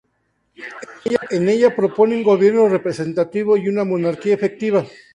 En ella propone un gobierno representativo y una monarquía electiva.